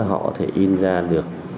họ có thể in ra được